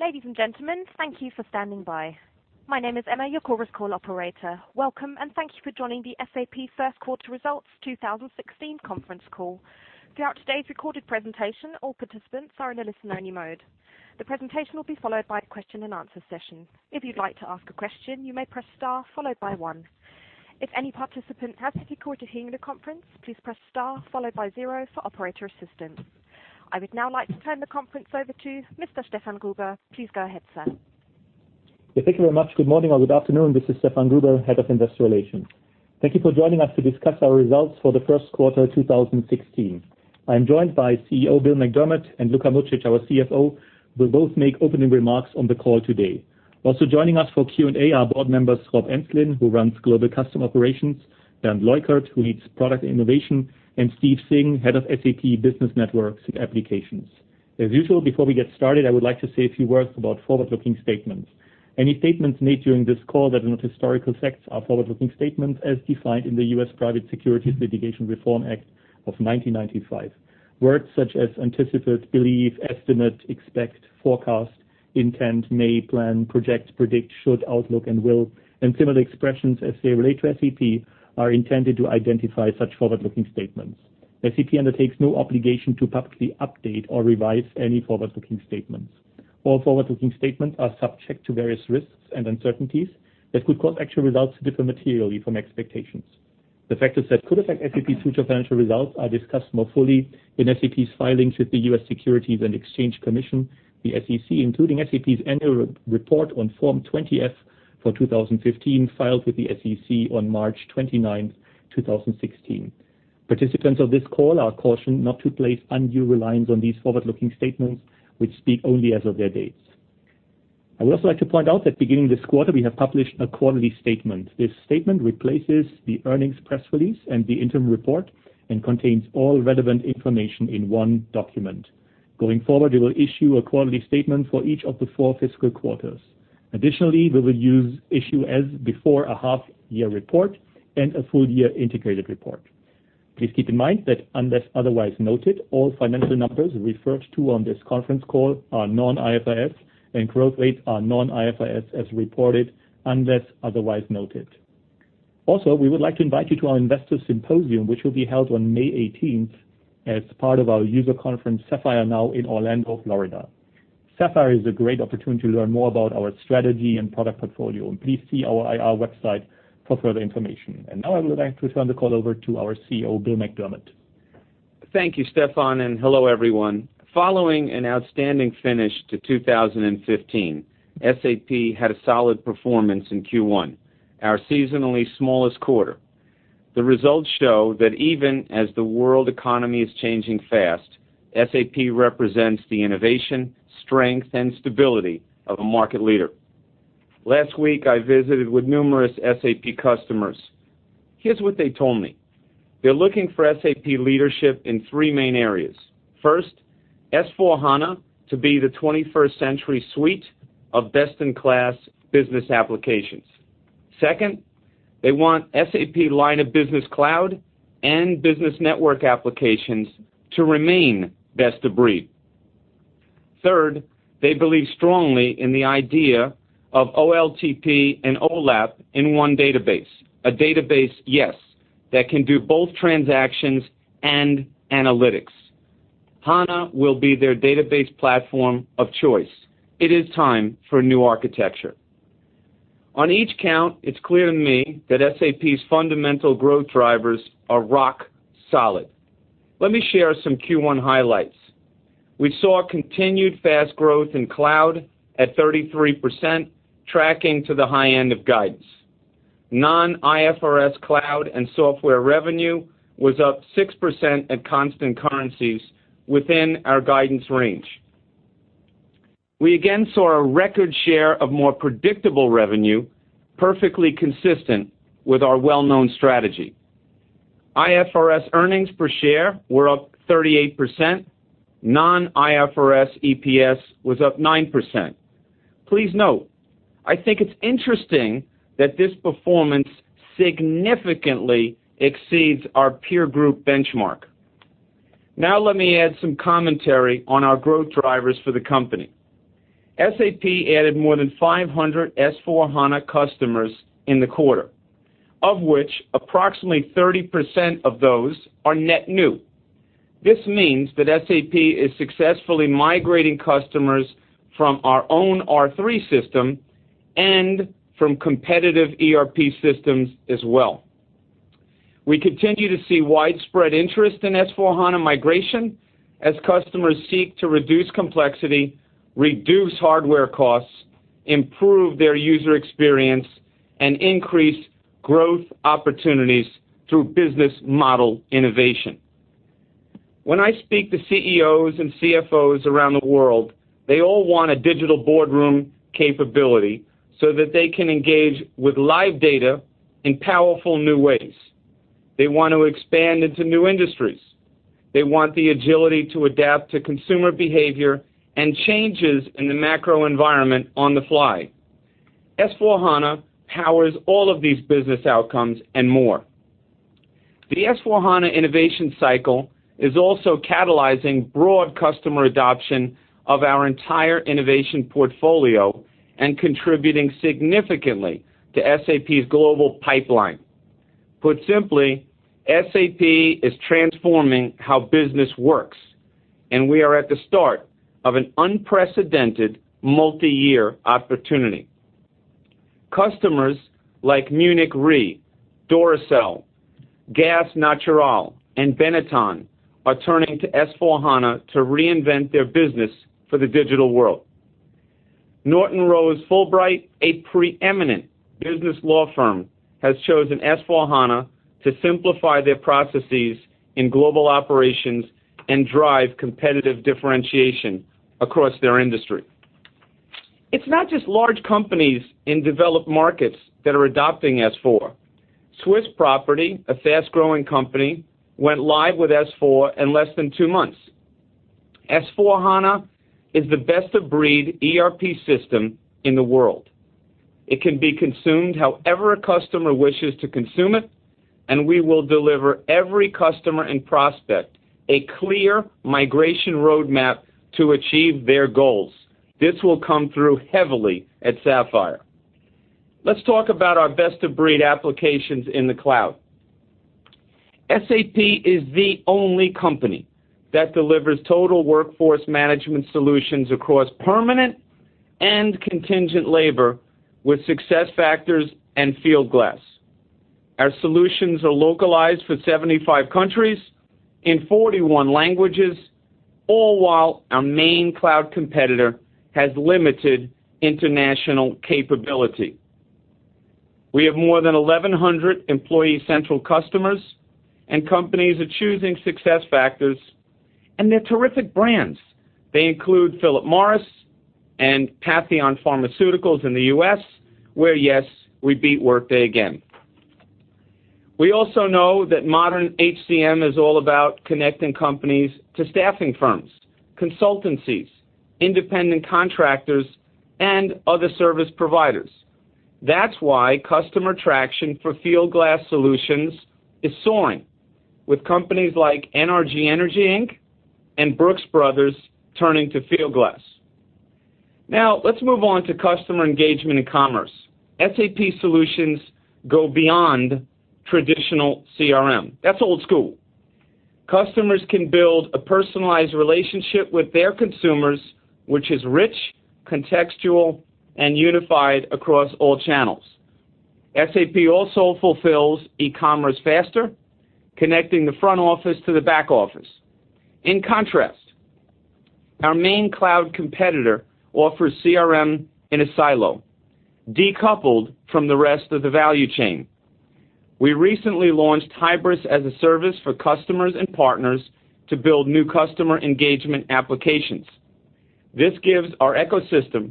Ladies and gentlemen, thank you for standing by. My name is Emma, your Chorus Call operator. Welcome, and thank you for joining the SAP First Quarter Results 2016 conference call. Throughout today's recorded presentation, all participants are in a listen-only mode. The presentation will be followed by a question and answer session. If you'd like to ask a question, you may press star followed by one. If any participant has difficulty hearing the conference, please press star followed by zero for operator assistance. I would now like to turn the conference over to Mr. Stefan Gruber. Please go ahead, sir. Yeah, thank you very much. Good morning or good afternoon. This is Stefan Gruber, Head of Investor Relations. Thank you for joining us to discuss our results for the first quarter 2016. I am joined by CEO Bill McDermott and Luka Mucic, our CFO, who will both make opening remarks on the call today. Also joining us for Q&A are board members Rob Enslin, who runs Global Customer Operations, Bernd Leukert, who leads Products & Innovation, and Steve Singh, President of Business Networks and Applications. As usual, before we get started, I would like to say a few words about forward-looking statements. Any statements made during this call that are not historical facts are forward-looking statements as defined in the U.S. Private Securities Litigation Reform Act of 1995. Words such as anticipate, believe, estimate, expect, forecast, intend, may, plan, project, predict, should, outlook, and will, and similar expressions as they relate to SAP, are intended to identify such forward-looking statements. SAP undertakes no obligation to publicly update or revise any forward-looking statements. All forward-looking statements are subject to various risks and uncertainties that could cause actual results to differ materially from expectations. The factors that could affect SAP's future financial results are discussed more fully in SAP's filings with the U.S. Securities and Exchange Commission, the SEC, including SAP's annual report on Form 20-F for 2015, filed with the SEC on March 29, 2016. Participants of this call are cautioned not to place undue reliance on these forward-looking statements, which speak only as of their dates. I would also like to point out that beginning this quarter, we have published a quarterly statement. This statement replaces the earnings press release and the interim report and contains all relevant information in one document. Going forward, we will issue a quarterly statement for each of the four fiscal quarters. Additionally, we will issue as before a half year report and a full year integrated report. Please keep in mind that unless otherwise noted, all financial numbers referred to on this conference call are non-IFRS, and growth rates are non-IFRS as reported unless otherwise noted. Also, we would like to invite you to our investor symposium, which will be held on May 18th as part of our user conference, Sapphire Now, in Orlando, Florida. Sapphire is a great opportunity to learn more about our strategy and product portfolio. Please see our IR website for further information. Now I would like to turn the call over to our CEO, Bill McDermott. Thank you, Stefan, and hello, everyone. Following an outstanding finish to 2015, SAP had a solid performance in Q1, our seasonally smallest quarter. The results show that even as the world economy is changing fast, SAP represents the innovation, strength, and stability of a market leader. Last week, I visited with numerous SAP customers. Here's what they told me. They are looking for SAP leadership in three main areas. First, S/4HANA to be the 21st-century suite of best-in-class business applications. Second, they want SAP line of business cloud and business network applications to remain best of breed. Third, they believe strongly in the idea of OLTP and OLAP in one database. A database, yes, that can do both transactions and analytics. HANA will be their database platform of choice. It is time for a new architecture. On each count, it is clear to me that SAP's fundamental growth drivers are rock solid. Let me share some Q1 highlights. We saw continued fast growth in cloud at 33%, tracking to the high end of guidance. Non-IFRS cloud and software revenue was up 6% at constant currencies within our guidance range. We again saw a record share of more predictable revenue, perfectly consistent with our well-known strategy. IFRS earnings per share were up 38%. Non-IFRS EPS was up 9%. Please note, I think it is interesting that this performance significantly exceeds our peer group benchmark. Let me add some commentary on our growth drivers for the company. SAP added more than 500 S/4HANA customers in the quarter, of which approximately 30% of those are net new. This means that SAP is successfully migrating customers from our own R/3 system and from competitive ERP systems as well. We continue to see widespread interest in S/4HANA migration as customers seek to reduce complexity, reduce hardware costs, improve their user experience, and increase growth opportunities through business model innovation. When I speak to CEOs and CFOs around the world, they all want a digital boardroom capability so that they can engage with live data in powerful new ways. They want to expand into new industries. They want the agility to adapt to consumer behavior and changes in the macro environment on the fly. S/4HANA powers all of these business outcomes and more. The S/4HANA innovation cycle is also catalyzing broad customer adoption of our entire innovation portfolio and contributing significantly to SAP's global pipeline. Put simply, SAP is transforming how business works, and we are at the start of an unprecedented multi-year opportunity. Customers like Munich Re, Duracell, Gas Natural, and Benetton are turning to S/4HANA to reinvent their business for the digital world. Norton Rose Fulbright, a preeminent business law firm, has chosen S/4HANA to simplify their processes in global operations and drive competitive differentiation across their industry. It is not just large companies in developed markets that are adopting S4. SWISS PROPERTY, a fast-growing company, went live with S/4 in less than two months. S/4HANA is the best-of-breed ERP system in the world. It can be consumed however a customer wishes to consume it, and we will deliver every customer and prospect a clear migration roadmap to achieve their goals. This will come through heavily at Sapphire. Let us talk about our best-of-breed applications in the cloud. SAP is the only company that delivers total workforce management solutions across permanent and contingent labor with SuccessFactors and Fieldglass. Our solutions are localized for 75 countries in 41 languages, all while our main cloud competitor has limited international capability. We have more than 1,100 Employee Central customers, and companies are choosing SuccessFactors, and they're terrific brands. They include Philip Morris and Patheon Pharmaceuticals in the U.S., where, yes, we beat Workday again. We also know that modern HCM is all about connecting companies to staffing firms, consultancies, independent contractors, and other service providers. That's why customer traction for Fieldglass solutions is soaring, with companies like NRG Energy Inc. and Brooks Brothers turning to Fieldglass. Let's move on to customer engagement and commerce. SAP solutions go beyond traditional CRM. That's old school. Customers can build a personalized relationship with their consumers, which is rich, contextual, and unified across all channels. SAP also fulfills e-commerce faster, connecting the front office to the back office. In contrast, our main cloud competitor offers CRM in a silo, decoupled from the rest of the value chain. We recently launched Hybris as a service for customers and partners to build new customer engagement applications. This gives our ecosystem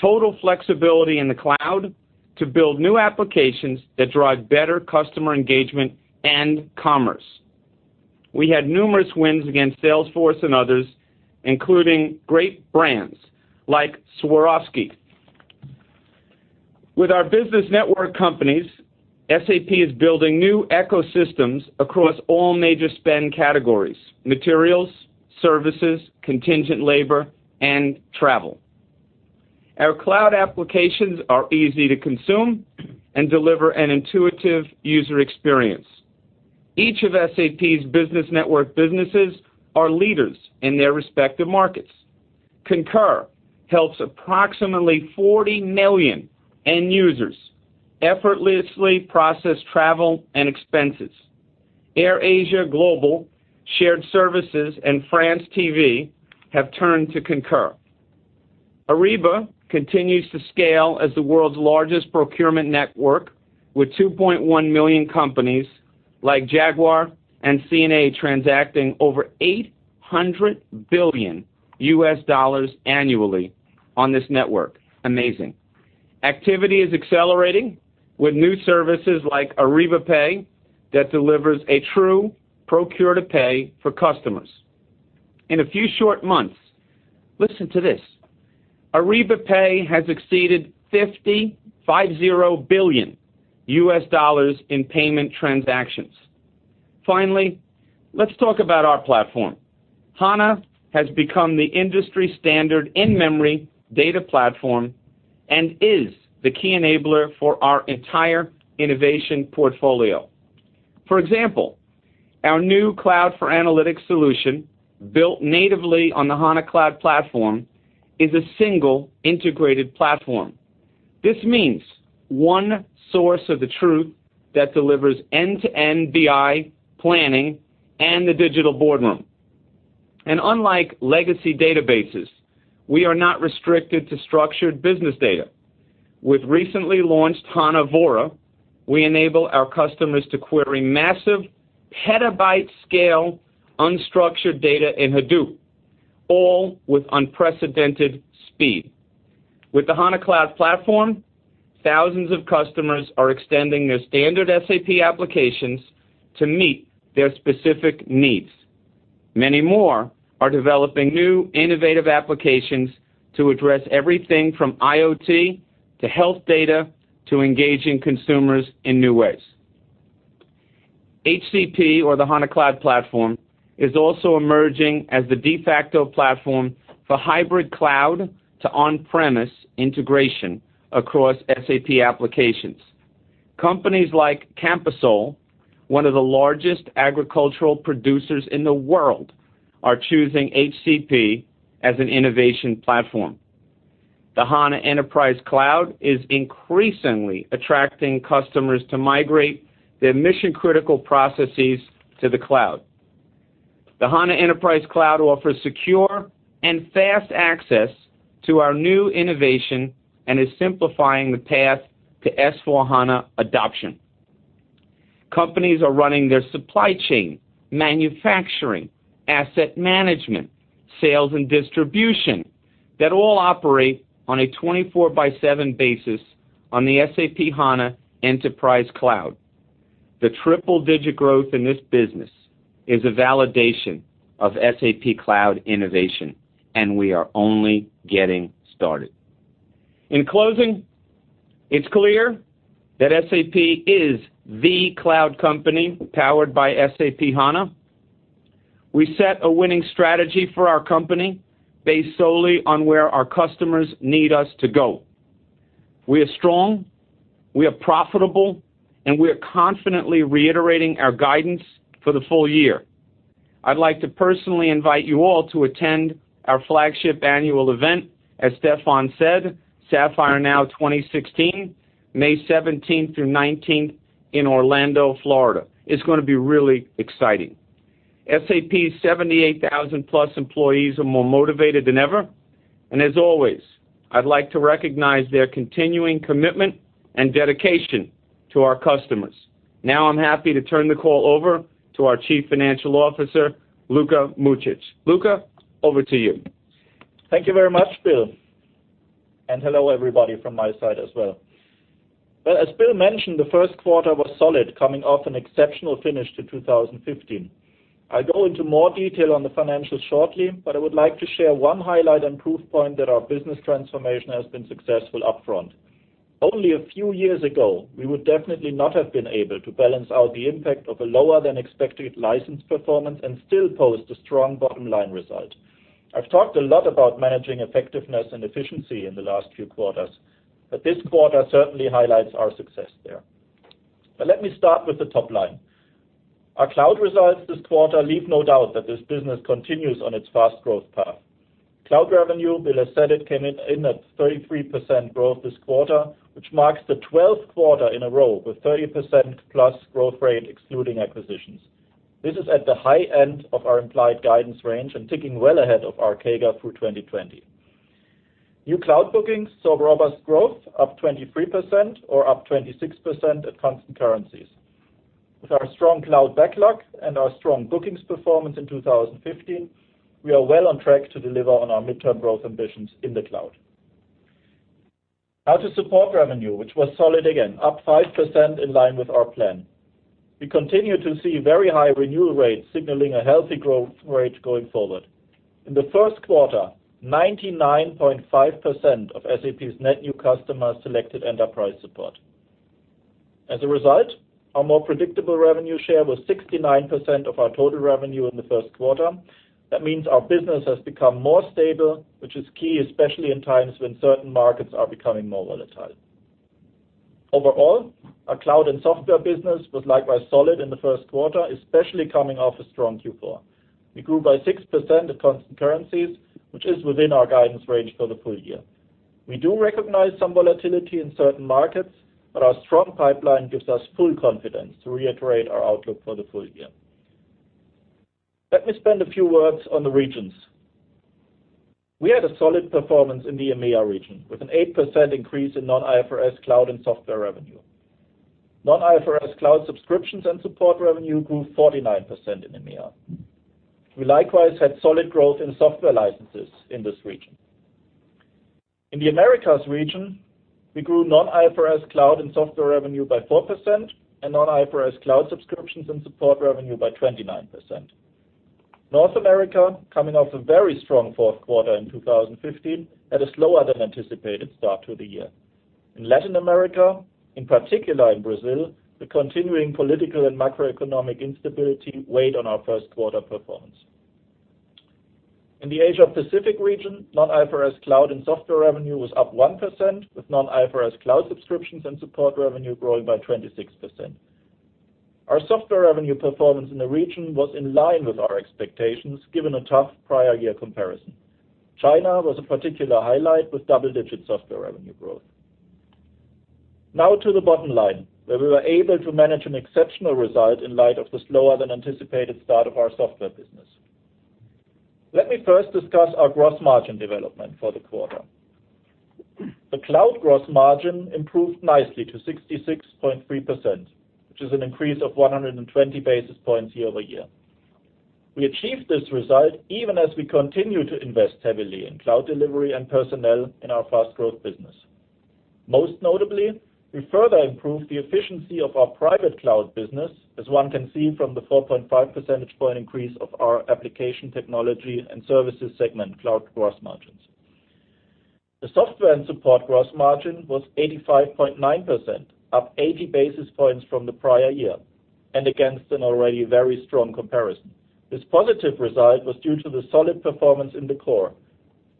total flexibility in the cloud to build new applications that drive better customer engagement and commerce. We had numerous wins against Salesforce and others, including great brands like Swarovski. With our business network companies, SAP is building new ecosystems across all major spend categories: materials, services, contingent labor, and travel. Our cloud applications are easy to consume and deliver an intuitive user experience. Each of SAP's business network businesses are leaders in their respective markets. Concur helps approximately 40 million end users effortlessly process travel and expenses. AirAsia Global Shared Services and France Télévisions have turned to Concur. Ariba continues to scale as the world's largest procurement network, with 2.1 million companies like Jaguar and C&A transacting over $800 billion annually on this network. Amazing. Activity is accelerating with new services like Ariba Pay that delivers a true procure-to-pay for customers. In a few short months, listen to this, Ariba Pay has exceeded $50, five zero, billion in payment transactions. Let's talk about our platform. HANA has become the industry standard in-memory data platform and is the key enabler for our entire innovation portfolio. For example, our new Cloud for Analytics solution, built natively on the HANA Cloud Platform, is a single integrated platform. This means one source of the truth that delivers end-to-end BI planning and the digital boardroom. Unlike legacy databases, we are not restricted to structured business data. With recently launched HANA Vora, we enable our customers to query massive petabyte scale unstructured data in Hadoop, all with unprecedented speed. With the HANA Cloud Platform, thousands of customers are extending their standard SAP applications to meet their specific needs. Many more are developing new innovative applications to address everything from IoT to health data, to engaging consumers in new ways. HCP, or the HANA Cloud Platform, is also emerging as the de facto platform for hybrid cloud to on-premise integration across SAP applications. Companies like Camposol, one of the largest agricultural producers in the world, are choosing HCP as an innovation platform. The HANA Enterprise Cloud is increasingly attracting customers to migrate their mission-critical processes to the cloud. The HANA Enterprise Cloud offers secure and fast access to our new innovation and is simplifying the path to S/4HANA adoption. Companies are running their supply chain, manufacturing, asset management, sales and distribution, that all operate on a 24 by seven basis on the SAP HANA Enterprise Cloud. The triple-digit growth in this business is a validation of SAP cloud innovation, and we are only getting started. In closing, it's clear that SAP is the cloud company powered by SAP HANA. We set a winning strategy for our company based solely on where our customers need us to go. We are strong, we are profitable, and we are confidently reiterating our guidance for the full year. I'd like to personally invite you all to attend our flagship annual event, as Stefan said, Sapphire Now 2016, May 17th through 19th in Orlando, Florida. It's going to be really exciting. SAP's 78,000+ employees are more motivated than ever. As always, I'd like to recognize their continuing commitment and dedication to our customers. Now I'm happy to turn the call over to our Chief Financial Officer, Luka Mucic. Luka, over to you. Thank you very much, Bill. Hello everybody from my side as well. Well, as Bill mentioned, the first quarter was solid, coming off an exceptional finish to 2015. I'll go into more detail on the financials shortly, but I would like to share one highlight and proof point that our business transformation has been successful up front. Only a few years ago, we would definitely not have been able to balance out the impact of a lower than expected license performance and still post a strong bottom-line result. I've talked a lot about managing effectiveness and efficiency in the last few quarters, but this quarter certainly highlights our success there. Let me start with the top line. Our cloud results this quarter leave no doubt that this business continues on its fast growth path. Cloud revenue, Bill has said it, came in at 33% growth this quarter, which marks the 12th quarter in a row with 30%+ growth rate excluding acquisitions. This is at the high end of our implied guidance range and ticking well ahead of our CAGR through 2020. New cloud bookings saw robust growth up 23% or up 26% at constant currencies. With our strong cloud backlog and our strong bookings performance in 2015, we are well on track to deliver on our midterm growth ambitions in the cloud. Now to support revenue, which was solid again, up 5% in line with our plan. We continue to see very high renewal rates, signaling a healthy growth rate going forward. In the first quarter, 99.5% of SAP's net new customers selected enterprise support. As a result, our more predictable revenue share was 69% of our total revenue in the first quarter. That means our business has become more stable, which is key, especially in times when certain markets are becoming more volatile. Overall, our cloud and software business was likewise solid in the first quarter, especially coming off a strong Q4. We grew by 6% at constant currencies, which is within our guidance range for the full year. We do recognize some volatility in certain markets, but our strong pipeline gives us full confidence to reiterate our outlook for the full year. Let me spend a few words on the regions. We had a solid performance in the EMEA region with an 8% increase in non-IFRS cloud and software revenue. Non-IFRS cloud subscriptions and support revenue grew 49% in EMEA. We likewise had solid growth in software licenses in this region. In the Americas region, we grew non-IFRS cloud and software revenue by 4%, and non-IFRS cloud subscriptions and support revenue by 29%. North America, coming off a very strong fourth quarter in 2015, had a slower than anticipated start to the year. In Latin America, in particular in Brazil, the continuing political and macroeconomic instability weighed on our first quarter performance. In the Asia Pacific region, non-IFRS cloud and software revenue was up 1%, with non-IFRS cloud subscriptions and support revenue growing by 26%. Our software revenue performance in the region was in line with our expectations, given a tough prior year comparison. China was a particular highlight with double-digit software revenue growth. Now to the bottom line, where we were able to manage an exceptional result in light of the slower than anticipated start of our software business. Let me first discuss our gross margin development for the quarter. The cloud gross margin improved nicely to 66.3%, which is an increase of 120 basis points year-over-year. We achieved this result even as we continue to invest heavily in cloud delivery and personnel in our fast growth business. Most notably, we further improved the efficiency of our private cloud business, as one can see from the 4.5 percentage point increase of our application technology and services segment cloud gross margins. The software and support gross margin was 85.9%, up 80 basis points from the prior year, and against an already very strong comparison. This positive result was due to the solid performance in the core,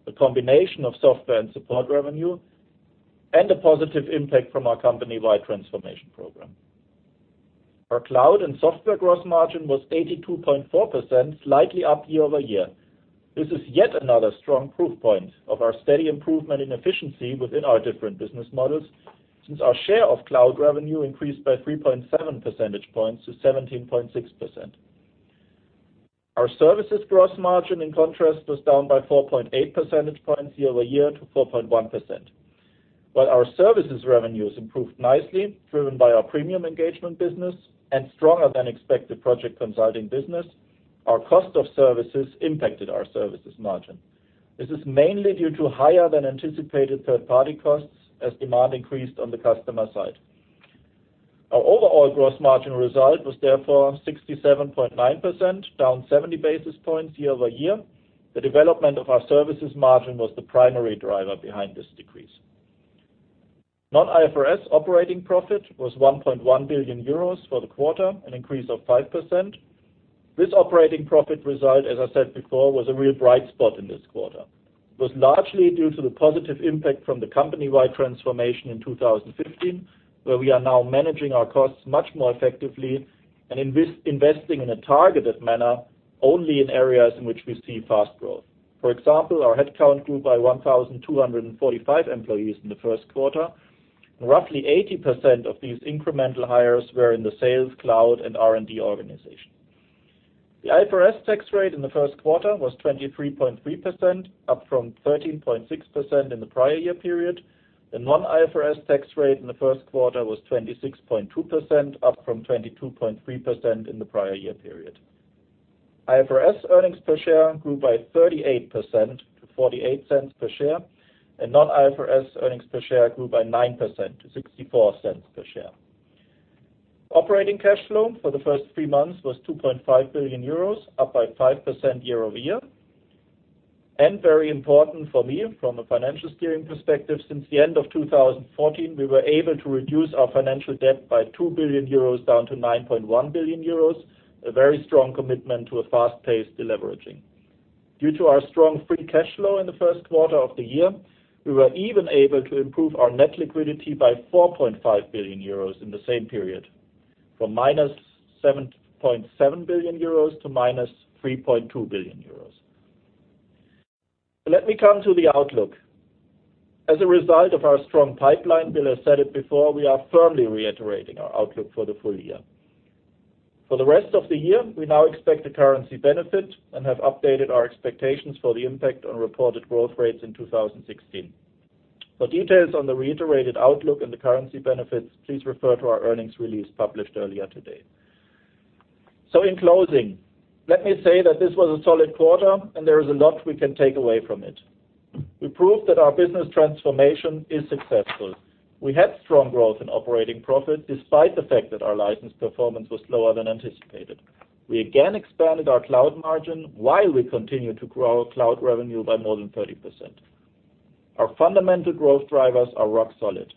the combination of software and support revenue, and a positive impact from our company-wide transformation program. Our cloud and software gross margin was 82.4%, slightly up year-over-year. This is yet another strong proof point of our steady improvement in efficiency within our different business models, since our share of cloud revenue increased by 3.7 percentage points to 17.6%. Our services gross margin, in contrast, was down by 4.8 percentage points year-over-year to 4.1%. While our services revenues improved nicely, driven by our premium engagement business and stronger than expected project consulting business, our cost of services impacted our services margin. This is mainly due to higher than anticipated third-party costs as demand increased on the customer side. Our overall gross margin result was therefore 67.9%, down 70 basis points year-over-year. The development of our services margin was the primary driver behind this decrease. Non-IFRS operating profit was 1.1 billion euros for the quarter, an increase of 5%. This operating profit result, as I said before, was a real bright spot in this quarter, was largely due to the positive impact from the company-wide transformation in 2015, where we are now managing our costs much more effectively and investing in a targeted manner only in areas in which we see fast growth. For example, our headcount grew by 1,245 employees in the first quarter, and roughly 80% of these incremental hires were in the sales, cloud, and R&D organization. The IFRS tax rate in the first quarter was 23.3%, up from 13.6% in the prior year period. The non-IFRS tax rate in the first quarter was 26.2%, up from 22.3% in the prior year period. IFRS earnings per share grew by 38% to 0.48 per share, and non-IFRS earnings per share grew by 9% to 0.64 per share. Operating cash flow for the first three months was 2.5 billion euros, up by 5% year-over-year. Very important for me from a financial steering perspective, since the end of 2014, we were able to reduce our financial debt by 2 billion euros down to 9.1 billion euros, a very strong commitment to a fast-paced deleveraging. Due to our strong free cash flow in the first quarter of the year, we were even able to improve our net liquidity by 4.5 billion euros in the same period, from minus 7.7 billion euros to minus 3.2 billion euros. Let me come to the outlook. As a result of our strong pipeline, Bill has said it before, we are firmly reiterating our outlook for the full year. For the rest of the year, we now expect a currency benefit and have updated our expectations for the impact on reported growth rates in 2016. For details on the reiterated outlook and the currency benefits, please refer to our earnings release published earlier today. In closing, let me say that this was a solid quarter, and there is a lot we can take away from it. We proved that our business transformation is successful. We had strong growth in operating profit despite the fact that our license performance was slower than anticipated. We again expanded our cloud margin while we continued to grow our cloud revenue by more than 30%. Our fundamental growth drivers are rock solid.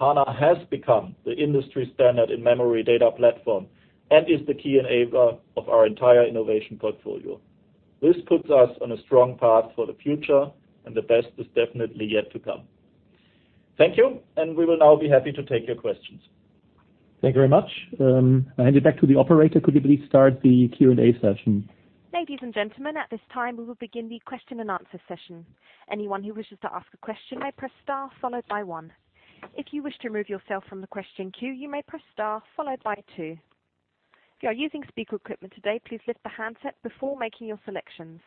HANA has become the industry standard in-memory data platform and is the key enabler of our entire innovation portfolio. This puts us on a strong path for the future, and the best is definitely yet to come. Thank you, and we will now be happy to take your questions. Thank you very much. I hand it back to the operator. Could you please start the Q&A session? Ladies and gentlemen, at this time, we will begin the question-and-answer session. Anyone who wishes to ask a question may press star followed by one. If you wish to remove yourself from the question queue, you may press star followed by two. If you are using speaker equipment today, please lift the handset before making your selections.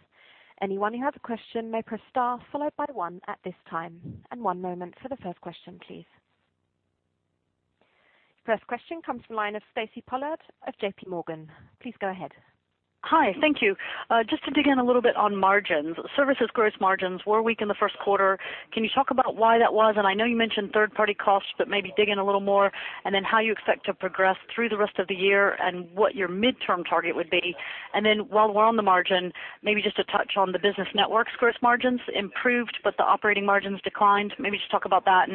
Anyone who has a question may press star followed by one at this time. One moment for the first question, please. First question comes from the line of Stacy Pollard of JPMorgan. Please go ahead. Hi. Thank you. Just to dig in a little on margins. Services gross margins were weak in the first quarter. Can you talk about why that was? I know you mentioned third-party costs, but maybe dig in a little more. How you expect to progress through the rest of the year and what your midterm target would be. While we're on the margin, maybe just to touch on the business networks gross margins improved. The operating margins declined. Maybe just talk about that.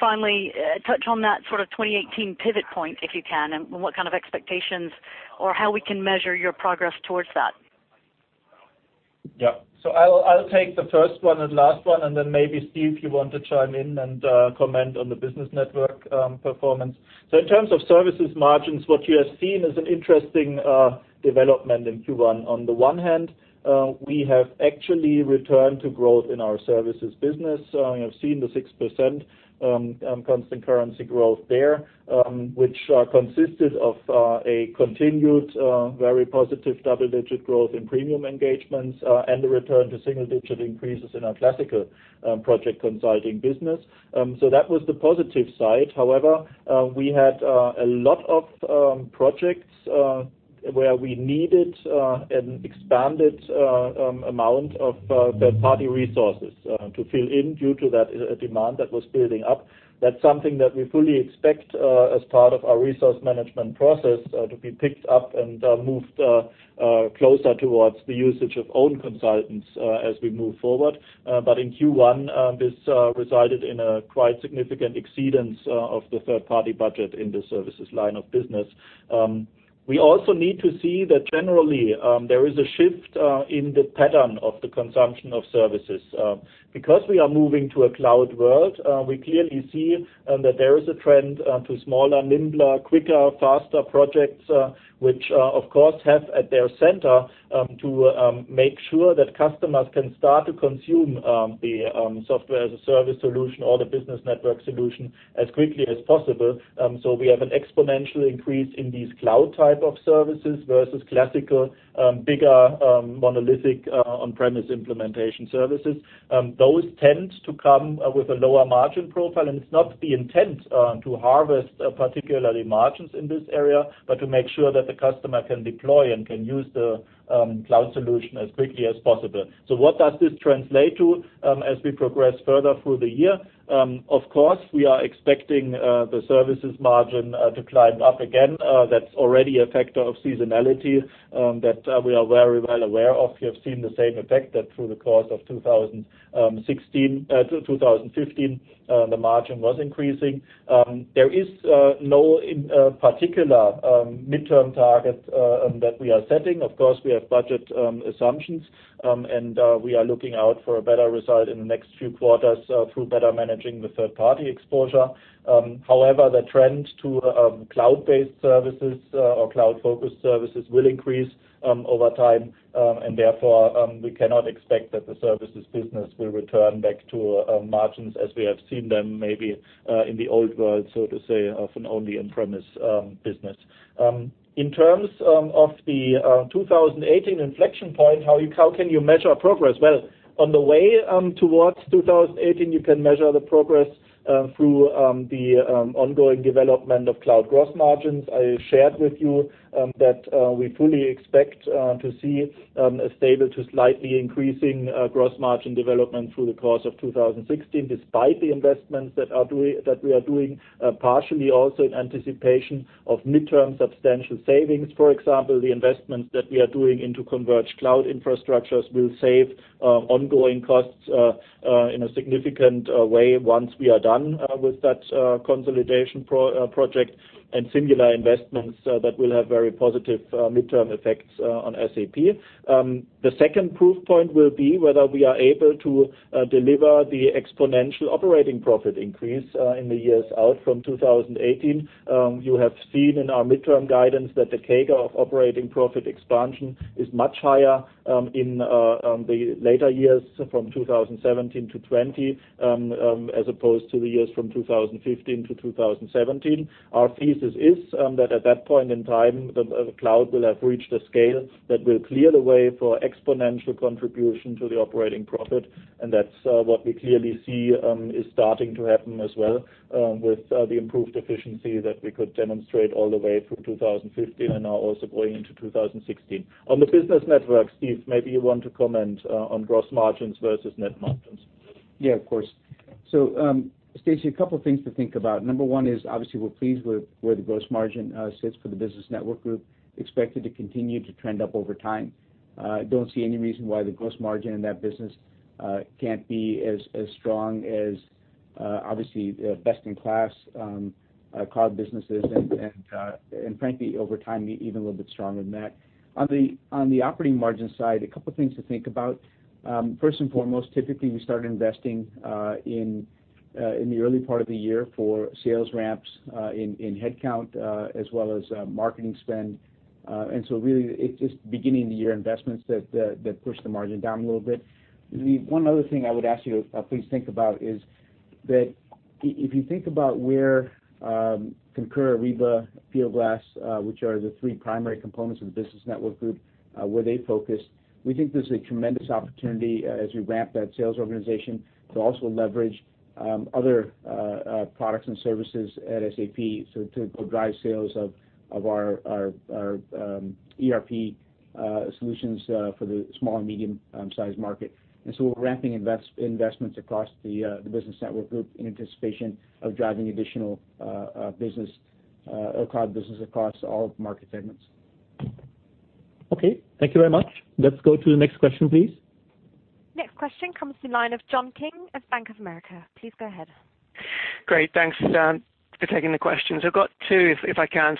Finally, touch on that sort of 2018 pivot point, if you can, and what kind of expectations or how we can measure your progress towards that. Yeah. I'll take the first one and last one. Maybe, Steve, you want to chime in and comment on the business network performance. In terms of services margins, what you have seen is an interesting development in Q1. On the one hand, we have actually returned to growth in our services business. You have seen the 6% constant currency growth there, which consisted of a continued very positive double-digit growth in premium engagements and a return to single-digit increases in our classical project consulting business. That was the positive side. However, we had a lot of projects where we needed an expanded amount of third-party resources to fill in due to that demand that was building up. That's something that we fully expect as part of our resource management process to be picked up and moved closer towards the usage of own consultants as we move forward. In Q1, this resulted in a quite significant exceedance of the third-party budget in the services line of business. We also need to see that generally, there is a shift in the pattern of the consumption of services. Because we are moving to a cloud world, we clearly see that there is a trend to smaller, nimbler, quicker, faster projects, which, of course, have at their center to make sure that customers can start to consume the software-as-a-service solution or the business network solution as quickly as possible. We have an exponential increase in these cloud type of services versus classical, bigger, monolithic on-premise implementation services. Those tend to come with a lower margin profile, it's not the intent to harvest particularly margins in this area, but to make sure that the customer can deploy and can use the cloud solution as quickly as possible. What does this translate to as we progress further through the year? Of course, we are expecting the services margin to climb up again. That's already a factor of seasonality that we are very well aware of. You have seen the same effect that through the course of 2015, the margin was increasing. There is no particular midterm target that we are setting. Of course, we have budget assumptions, we are looking out for a better result in the next few quarters through better managing the third-party exposure. However, the trend to cloud-based services or cloud-focused services will increase over time, therefore, we cannot expect that the services business will return back to margins as we have seen them maybe in the old world, so to say, of an only on-premise business. In terms of the 2018 inflection point, how can you measure progress? On the way towards 2018, you can measure the progress through the ongoing development of cloud gross margins. I shared with you that we fully expect to see a stable to slightly increasing gross margin development through the course of 2016, despite the investments that we are doing partially also in anticipation of midterm substantial savings. For example, the investments that we are doing into converged cloud infrastructures will save ongoing costs in a significant way once we are done with that consolidation project singular investments that will have very positive midterm effects on SAP. The second proof point will be whether we are able to deliver the exponential operating profit increase in the years out from 2018. You have seen in our midterm guidance that the CAGR of operating profit expansion is much higher in the later years from 2017 to 2020, as opposed to the years from 2015 to 2017. Our thesis is that at that point in time, the cloud will have reached a scale that will clear the way for exponential contribution to the operating profit, that's what we clearly see is starting to happen as well with the improved efficiency that we could demonstrate all the way through 2015 and now also going into 2016. On the business network, Steve, maybe you want to comment on gross margins versus net margins. Yeah, of course. Stacy, a couple things to think about. Number one is obviously we're pleased with where the gross margin sits for the business network group, expected to continue to trend up over time. Don't see any reason why the gross margin in that business can't be as strong as, obviously, best in class cloud businesses, and frankly, over time, be even a little bit stronger than that. On the operating margin side, a couple things to think about. First and foremost, typically, we start investing in the early part of the year for sales ramps in headcount, as well as marketing spend. Really, it's just beginning of the year investments that push the margin down a little bit. The one other thing I would ask you to please think about is that if you think about where Concur, Ariba, Fieldglass, which are the three primary components of the business network group, where they focus, we think there's a tremendous opportunity as we ramp that sales organization to also leverage other products and services at SAP. To go drive sales of our ERP solutions for the small and medium-sized market. We're ramping investments across the business network group in anticipation of driving additional business or cloud business across all market segments. Okay. Thank you very much. Let's go to the next question, please. Next question comes to the line of John King of Bank of America. Please go ahead. Great. Thanks for taking the questions. I've got two if I can.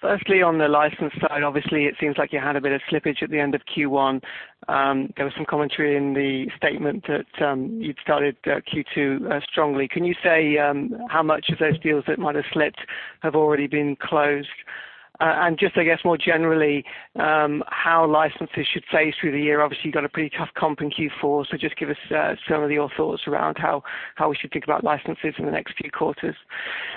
Firstly, on the license side, obviously, it seems like you had a bit of slippage at the end of Q1. There was some commentary in the statement that you'd started Q2 strongly. Can you say how much of those deals that might have slipped have already been closed? Just, I guess more generally, how licenses should face through the year? Obviously, you've got a pretty tough comp in Q4, just give us some of your thoughts around how we should think about licenses in the next few quarters.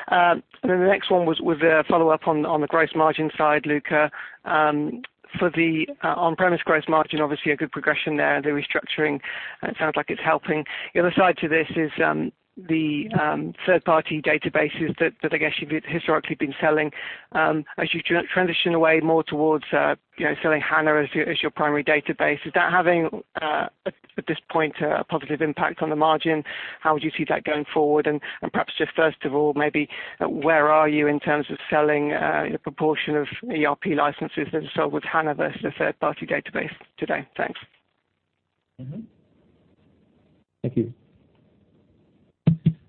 The next one was a follow-up on the gross margin side, Luka Mucic. For the on-premise gross margin, obviously a good progression there. The restructuring, it sounds like it's helping. The other side to this is the third-party databases that I guess you've historically been selling. As you transition away more towards selling HANA as your primary database, is that having, at this point, a positive impact on the margin? How would you see that going forward? Perhaps just first of all, maybe where are you in terms of selling a proportion of ERP licenses that are sold with HANA versus a third-party database today? Thanks.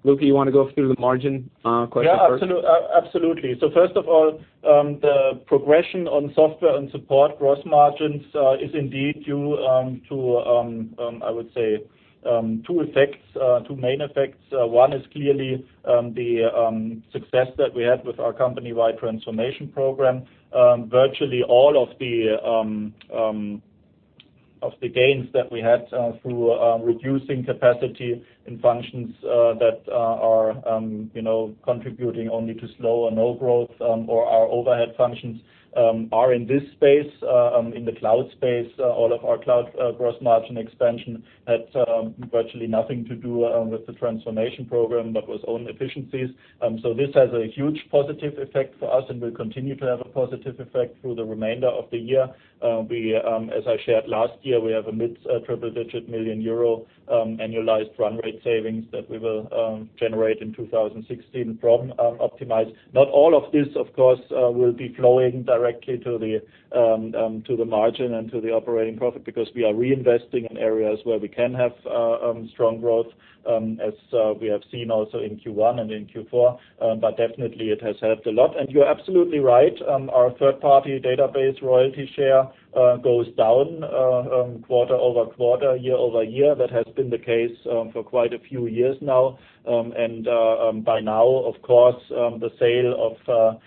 Thank you. Luka, you want to go through the margin question first? Yeah, absolutely. First of all, the progression on software and support gross margins is indeed due to, I would say, two main effects. One is clearly the success that we had with our company-wide transformation program. Virtually all of the gains that we had through reducing capacity in functions that are contributing only to slow or no growth or our overhead functions are in this space, in the cloud space. All of our cloud gross margin expansion had virtually nothing to do with the transformation program, but was own efficiencies. This has a huge positive effect for us and will continue to have a positive effect through the remainder of the year. As I shared last year, we have a mid-triple digit million EUR annualized run rate savings that we will generate in 2016 from Optimize. Not all of this, of course, will be flowing directly to the margin and to the operating profit, because we are reinvesting in areas where we can have strong growth, as we have seen also in Q1 and in Q4. Definitely it has helped a lot. You're absolutely right, our third-party database royalty share goes down quarter-over-quarter, year-over-year. That has been the case for quite a few years now. By now, of course, the sale of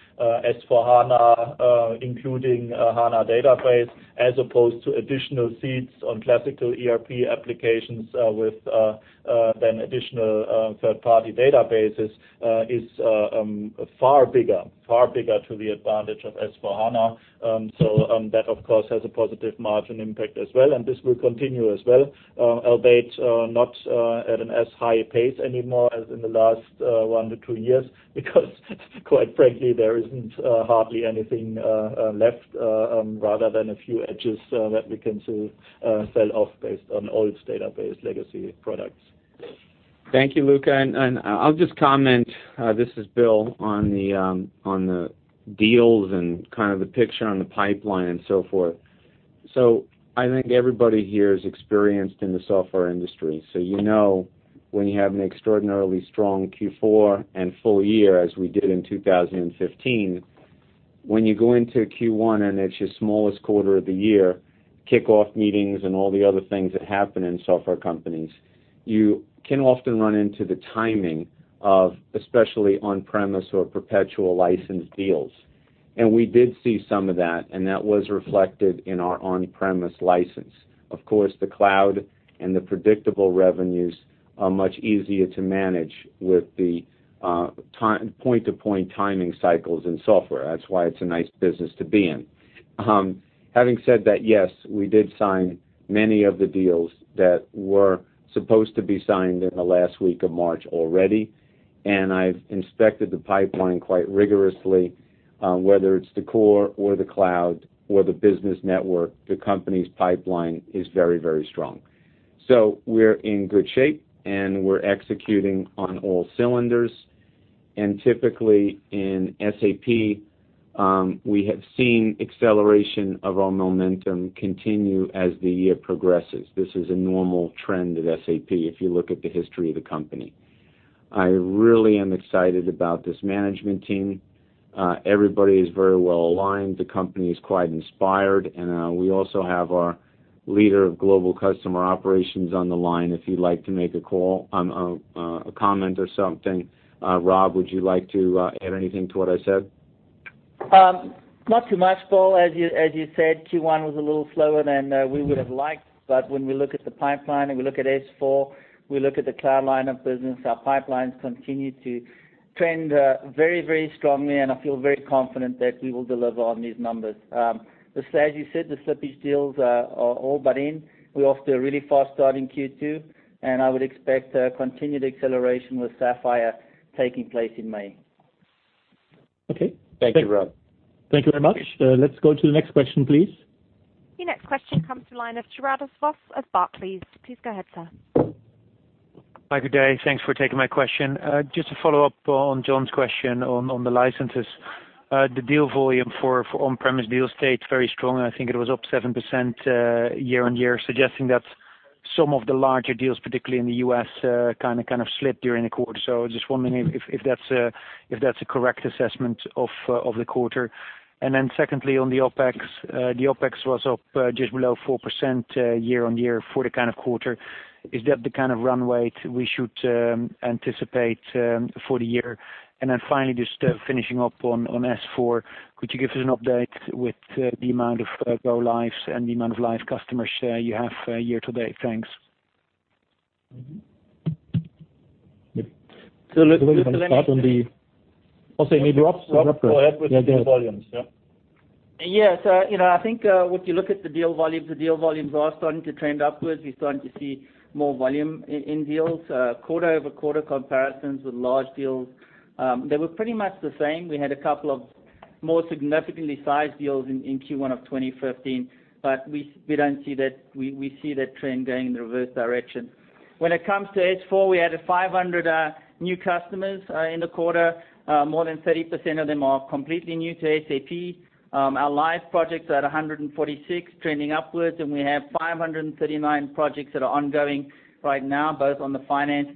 S/4HANA, including HANA database, as opposed to additional seats on classical ERP applications with then additional third-party databases is far bigger to the advantage of S/4HANA. That, of course, has a positive margin impact as well, and this will continue as well, albeit not at an as high a pace anymore as in the last one to two years. Quite frankly, there isn't hardly anything left, rather than a few edges that we can still sell off based on old database legacy products. Thank you, Luka. I'll just comment, this is Bill, on the deals and kind of the picture on the pipeline and so forth. I think everybody here is experienced in the software industry. You know when you have an extraordinarily strong Q4 and full year, as we did in 2015, when you go into Q1 and it's your smallest quarter of the year, kickoff meetings and all the other things that happen in software companies, you can often run into the timing of especially on-premise or perpetual license deals. We did see some of that, and that was reflected in our on-premise license. Of course, the cloud and the predictable revenues are much easier to manage with the point-to-point timing cycles in software. That's why it's a nice business to be in. Having said that, yes, we did sign many of the deals that were supposed to be signed in the last week of March already. I've inspected the pipeline quite rigorously. Whether it's the core or the cloud or the business network, the company's pipeline is very strong. We're in good shape, and we're executing on all cylinders. Typically in SAP, we have seen acceleration of our momentum continue as the year progresses. This is a normal trend at SAP, if you look at the history of the company. I really am excited about this management team. Everybody is very well aligned. The company is quite inspired, and we also have our leader of global customer operations on the line if he'd like to make a comment or something. Rob, would you like to add anything to what I said? Not too much, Bill. As you said, Q1 was a little slower than we would have liked. When we look at the pipeline and we look at S/4, we look at the cloud line of business, our pipelines continue to trend very strongly, and I feel very confident that we will deliver on these numbers. As you said, the slippage deals are all but in. We're off to a really fast start in Q2, and I would expect continued acceleration with Sapphire taking place in May. Okay. Thank you, Rob. Thank you very much. Let's go to the next question, please. Your next question comes from the line of Gerardus Vos of Barclays. Please go ahead, sir. Hi, good day. Thanks for taking my question. Just to follow up on John's question on the licenses. The deal volume for on-premise deals stayed very strong, I think it was up 7% year-on-year, suggesting that Some of the larger deals, particularly in the U.S., kind of slipped during the quarter. Just wondering if that's a correct assessment of the quarter. Secondly, on the OpEx. The OpEx was up just below 4% year-on-year for the kind of quarter. Is that the kind of run weight we should anticipate for the year? Finally, just finishing up on S/4. Could you give us an update with the amount of go lives and the amount of live customers share you have year-to-date? Thanks. Let me- Do you want to start on the I'll say maybe Rob, go ahead. Go ahead with the deal volumes, yeah. Yes. I think, if you look at the deal volumes, the deal volumes are starting to trend upwards. We're starting to see more volume in deals. Quarter-over-quarter comparisons with large deals, they were pretty much the same. We had a couple of more significantly sized deals in Q1 of 2015, we see that trend going in the reverse direction. When it comes to S/4, we added 500 new customers in the quarter. More than 30% of them are completely new to SAP. Our live projects are at 146, trending upwards, and we have 539 projects that are ongoing right now, both on the finance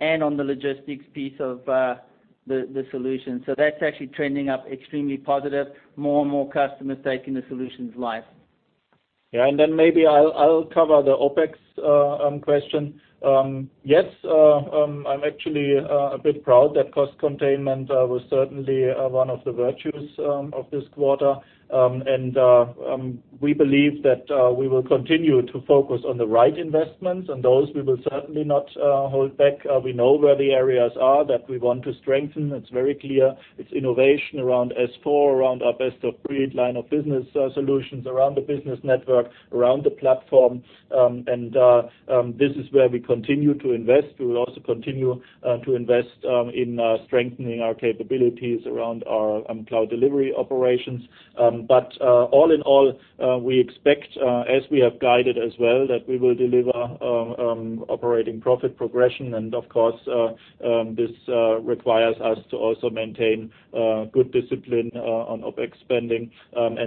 and on the logistics piece of the solution. That's actually trending up extremely positive. More and more customers taking the solutions live. Yeah. Maybe I'll cover the OpEx question. Yes, I'm actually a bit proud that cost containment was certainly one of the virtues of this quarter. We believe that we will continue to focus on the right investments and those we will certainly not hold back. We know where the areas are that we want to strengthen. It's very clear. It's innovation around S/4, around our best-of-breed line of business solutions, around the Business Network, around the platform. This is where we continue to invest. We will also continue to invest in strengthening our capabilities around our cloud delivery operations. All in all, we expect, as we have guided as well, that we will deliver operating profit progression. Of course, this requires us to also maintain good discipline on OpEx spending.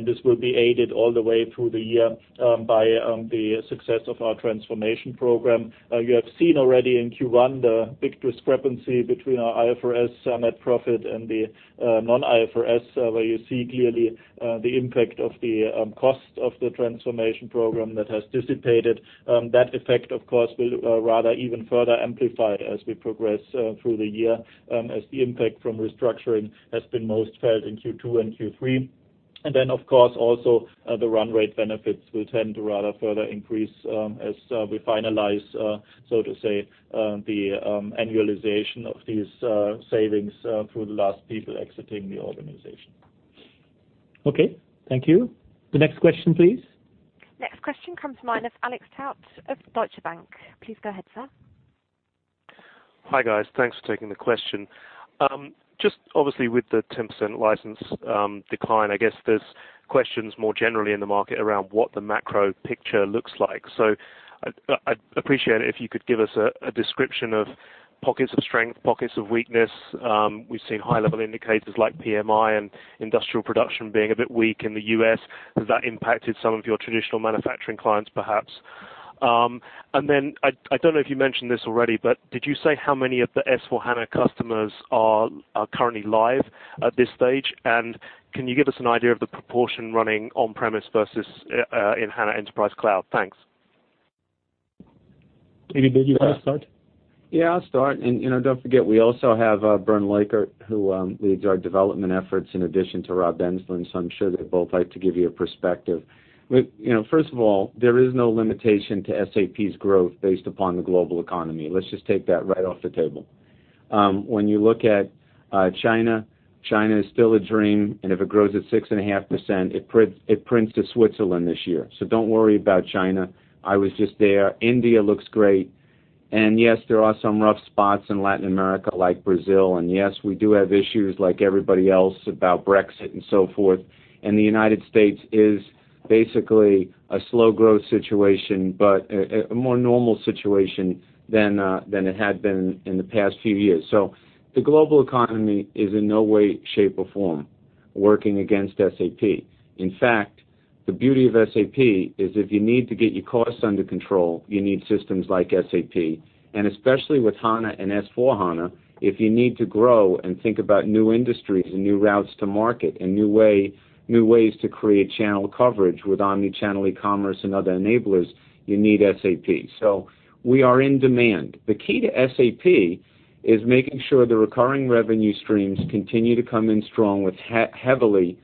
This will be aided all the way through the year by the success of our transformation program. You have seen already in Q1 the big discrepancy between our IFRS net profit and the non-IFRS, where you see clearly the impact of the cost of the transformation program that has dissipated. That effect, of course, will rather even further amplify as we progress through the year, as the impact from restructuring has been most felt in Q2 and Q3. Of course, also, the run rate benefits will tend to rather further increase as we finalize, so to say, the annualization of these savings through the last people exiting the organization. Okay. Thank you. The next question, please. Next question comes from line of Alex Tout of Deutsche Bank. Please go ahead, sir. Hi, guys. Thanks for taking the question. Obviously with the 10% license decline, I guess there's questions more generally in the market around what the macro picture looks like. I'd appreciate it if you could give us a description of pockets of strength, pockets of weakness. We've seen high-level indicators like PMI and industrial production being a bit weak in the U.S. Has that impacted some of your traditional manufacturing clients, perhaps? I don't know if you mentioned this already, but did you say how many of the S/4HANA customers are currently live at this stage? Can you give us an idea of the proportion running on-premise versus in HANA Enterprise Cloud? Thanks. Maybe, Bill, you want to start? I'll start. Don't forget, we also have Bernd Leukert, who leads our development efforts in addition to Rob Enslin. I'm sure they'd both like to give you a perspective. First of all, there is no limitation to SAP's growth based upon the global economy. Let's just take that right off the table. When you look at China is still a dream, if it grows at 6.5%, it prints to Switzerland this year. Don't worry about China. I was just there. India looks great. Yes, there are some rough spots in Latin America, like Brazil. Yes, we do have issues like everybody else about Brexit and so forth. The United States is basically a slow growth situation, but a more normal situation than it had been in the past few years. The global economy is in no way, shape, or form working against SAP. In fact, the beauty of SAP is if you need to get your costs under control, you need systems like SAP. Especially with HANA and S/4HANA, if you need to grow and think about new industries and new routes to market and new ways to create channel coverage with omni-channel e-commerce and other enablers, you need SAP. We are in demand. The key to SAP is making sure the recurring revenue streams continue to come in strong with heavily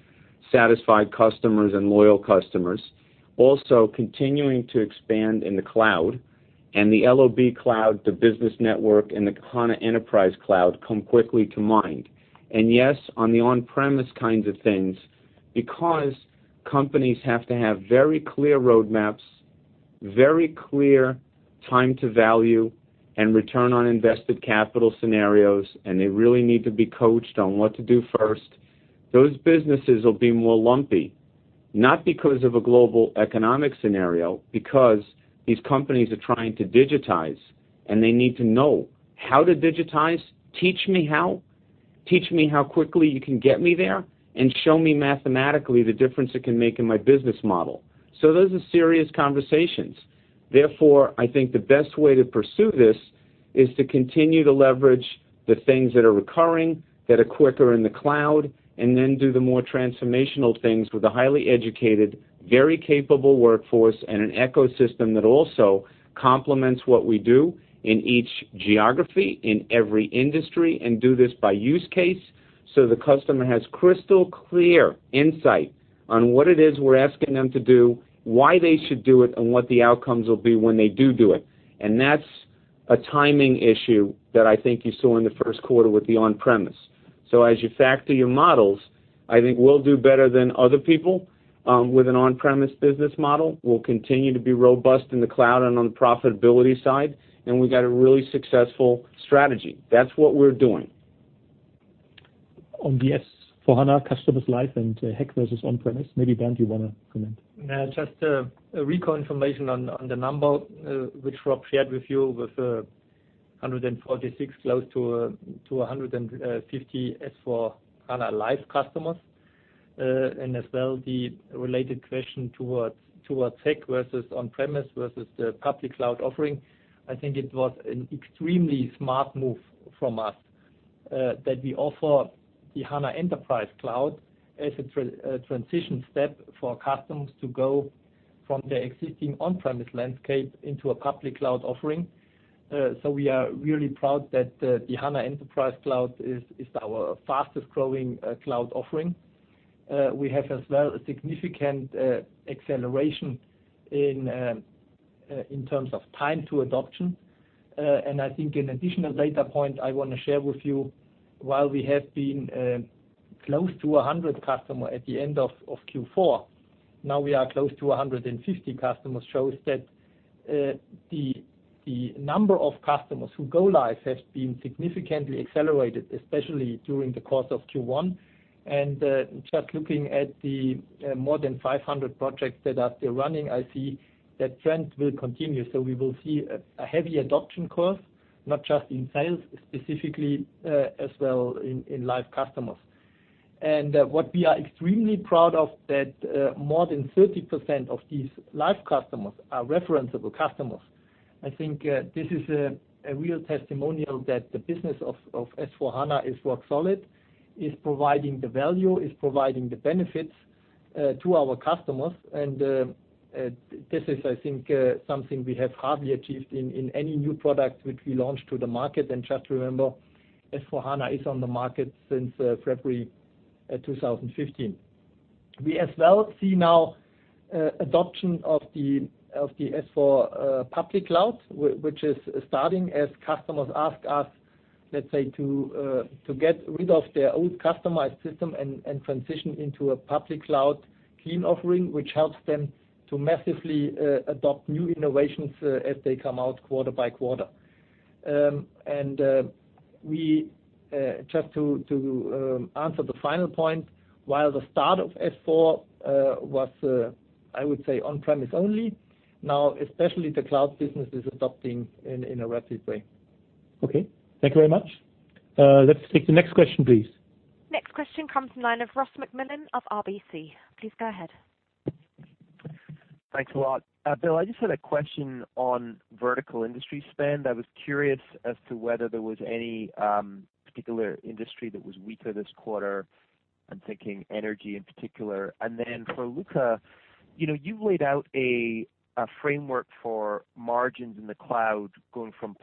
satisfied customers and loyal customers. Also continuing to expand in the cloud and the LoB Cloud, the Business Network, and the HANA Enterprise Cloud come quickly to mind. Yes, on the on-premise kinds of things, because companies have to have very clear roadmaps, very clear time to value, and return on invested capital scenarios, and they really need to be coached on what to do first. Those businesses will be more lumpy, not because of a global economic scenario, because these companies are trying to digitize, and they need to know how to digitize. Teach me how. Teach me how quickly you can get me there and show me mathematically the difference it can make in my business model. Those are serious conversations. Therefore, I think the best way to pursue this is to continue to leverage the things that are recurring, that are quicker in the cloud, and then do the more transformational things with a highly educated, very capable workforce and an ecosystem that also complements what we do in each geography, in every industry, and do this by use case, so the customer has crystal clear insight on what it is we're asking them to do, why they should do it, and what the outcomes will be when they do it. That's a timing issue that I think you saw in the first quarter with the on-premise. As you factor your models, I think we'll do better than other people with an on-premise business model. We'll continue to be robust in the cloud and on the profitability side, and we've got a really successful strategy. That's what we're doing. On the S/4HANA customers live and HEC versus on-premise, maybe Bernd, you want to comment? Just a recall information on the number, which Rob shared with you with 146 close to 150 S/4HANA live customers. As well, the related question towards HEC versus on-premise versus the public cloud offering. I think it was an extremely smart move from us that we offer the HANA Enterprise Cloud as a transition step for customers to go from their existing on-premise landscape into a public cloud offering. We are really proud that the HANA Enterprise Cloud is our fastest-growing cloud offering. We have as well a significant acceleration in terms of time to adoption. I think an additional data point I want to share with you, while we have been close to 100 customer at the end of Q4, now we are close to 150 customers, shows that the number of customers who go live has been significantly accelerated, especially during the course of Q1. Just looking at the more than 500 projects that are still running, I see that trend will continue. We will see a heavy adoption curve, not just in sales, specifically as well in live customers. What we are extremely proud of that more than 30% of these live customers are referenceable customers. I think this is a real testimonial that the business of S/4HANA is rock solid, is providing the value, is providing the benefits to our customers. This is, I think, something we have hardly achieved in any new product which we launched to the market. Just remember, S/4HANA is on the market since February 2015. We as well see now adoption of the S/4 public cloud, which is starting as customers ask us, let's say, to get rid of their old customized system and transition into a public cloud clean offering, which helps them to massively adopt new innovations as they come out quarter by quarter. Just to answer the final point, while the start of S/4 was, I would say, on-premise only, now especially the cloud business is adopting in a rapid way. Okay. Thank you very much. Let's take the next question, please. Next question comes from the line of Ross MacMillan of RBC. Please go ahead. Thanks a lot. Bill, I just had a question on vertical industry spend. I was curious as to whether there was any particular industry that was weaker this quarter. I'm thinking energy in particular. For Luka, you laid out a framework for margins in the cloud going from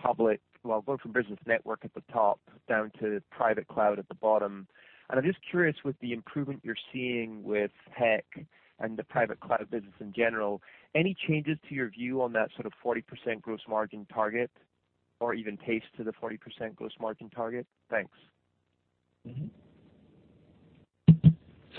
business network at the top down to private cloud at the bottom. I'm just curious with the improvement you're seeing with tech and the private cloud business in general, any changes to your view on that sort of 40% gross margin target or even pace to the 40% gross margin target? Thanks.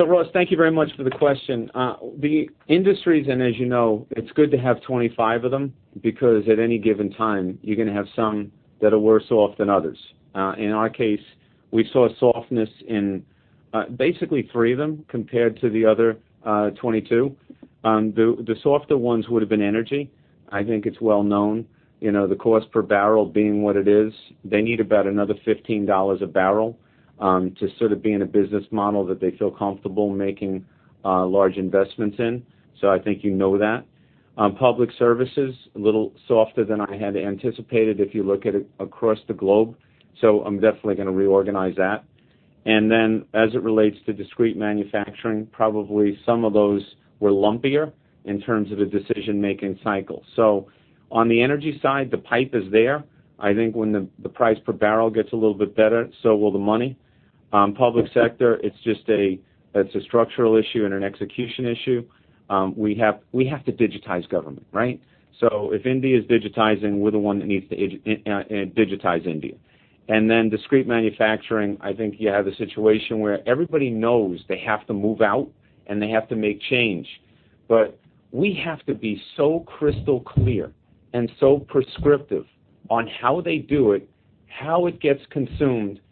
Ross, thank you very much for the question. The industries, as you know, it's good to have 25 of them because at any given time, you're going to have some that are worse off than others. In our case, we saw softness in basically three of them compared to the other 22. The softer ones would have been energy. I think it's well known. The cost per barrel being what it is, they need about another EUR 15 a barrel to sort of be in a business model that they feel comfortable making large investments in. I think you know that. Public services, a little softer than I had anticipated if you look at it across the globe. I'm definitely going to reorganize that. As it relates to discrete manufacturing, probably some of those were lumpier in terms of the decision-making cycle. On the energy side, the pipe is there. I think when the price per barrel gets a little bit better, so will the money. Public sector, it's a structural issue and an execution issue. We have to digitize government, right? If India is digitizing, we're the one that needs to digitize India. Discrete manufacturing, I think you have a situation where everybody knows they have to move out, and they have to make change. We have to be so crystal clear and so prescriptive on how they do it, how it gets consumed, and how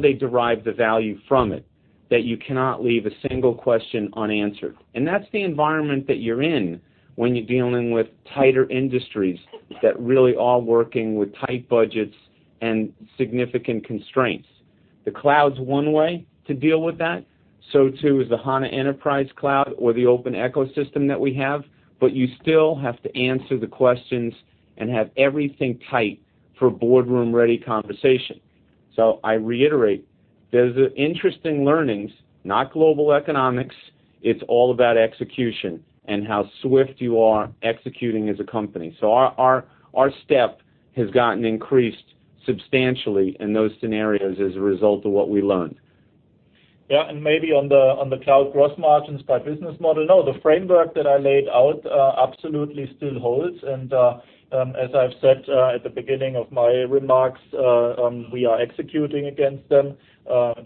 they derive the value from it that you cannot leave a single question unanswered. That's the environment that you're in when you're dealing with tighter industries that really are working with tight budgets and significant constraints. The cloud's one way to deal with that, so too is the HANA Enterprise Cloud or the open ecosystem that we have. You still have to answer the questions and have everything tight for boardroom-ready conversation. I reiterate, there's interesting learnings, not global economics. It's all about execution and how swift you are executing as a company. Our step has gotten increased substantially in those scenarios as a result of what we learned. Maybe on the cloud gross margins by business model. The framework that I laid out absolutely still holds. As I've said at the beginning of my remarks, we are executing against them.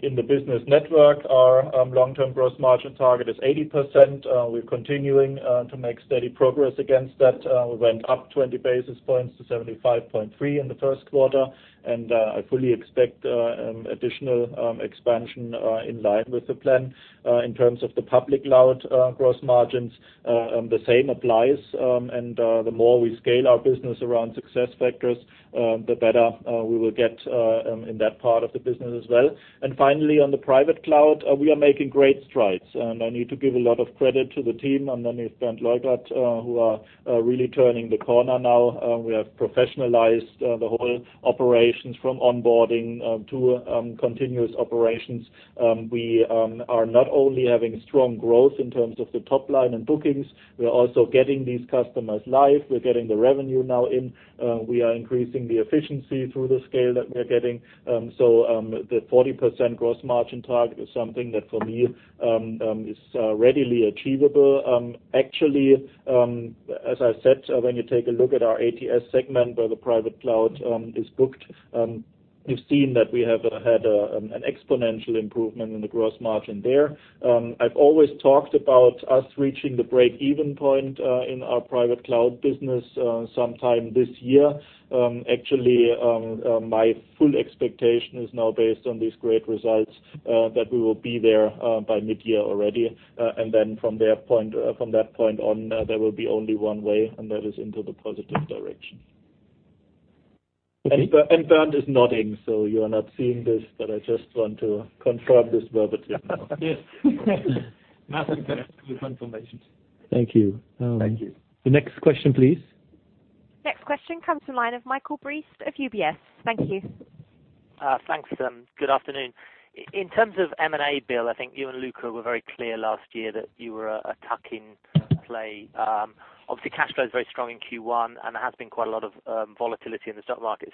In the Business Network, our long-term gross margin target is 80%. We're continuing to make steady progress against that. We went up 20 basis points to 75.3% in the first quarter, and I fully expect additional expansion in line with the plan. In terms of the public cloud gross margins, the same applies, and the more we scale our business around SuccessFactors, the better we will get in that part of the business as well. Finally, on the private cloud, we are making great strides. I need to give a lot of credit to the team underneath Bernd Leukert, who are really turning the corner now. We have professionalized the whole operations from onboarding to continuous operations. We are not only having strong growth in terms of the top line and bookings, we are also getting these customers live. We're getting the revenue now in. We are increasing the efficiency through the scale that we are getting. The 40% gross margin target is something that, for me, is readily achievable. Actually, as I said, when you take a look at our ATS segment where the private cloud is booked, you've seen that we have had an exponential improvement in the gross margin there. I've always talked about us reaching the break-even point in our private cloud business sometime this year. Actually, my full expectation is now based on these great results, that we will be there by mid-year already. Then from that point on, there will be only one way, and that is into the positive direction. Okay. Bernd is nodding. You are not seeing this, but I just want to confirm this verbatim. Yes. Nothing but good confirmation. Thank you. Thank you. The next question, please. Next question comes from the line of Michael Briest of UBS. Thank you. Thanks. Good afternoon. In terms of M&A, Bill, I think you and Luka were very clear last year that you were a tuck-in play. Obviously, cash flow is very strong in Q1, there has been quite a lot of volatility in the stock market.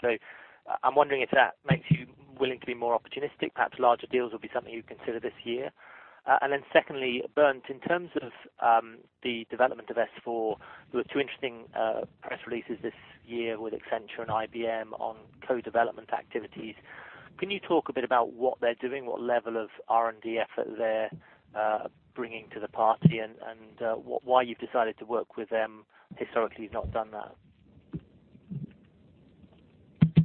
I'm wondering if that makes you willing to be more opportunistic, perhaps larger deals will be something you consider this year. Secondly, Bernd, in terms of the development of S/4, there were two interesting press releases this year with Accenture and IBM on co-development activities. Can you talk a bit about what they're doing, what level of R&D effort they're bringing to the party, and why you've decided to work with them, historically you've not done that?